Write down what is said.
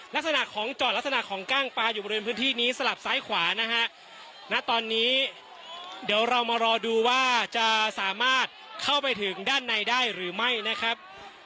ลักษณะของจอดลักษณะของกล้างปลาอยู่บริเวณพื้นที่นี้สลับซ้ายขวานะฮะณตอนนี้เดี๋ยวเรามารอดูว่าจะสามารถเข้าไปถึงด้านในได้หรือไม่นะครับ